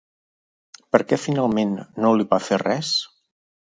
Per què finalment no li va fer res?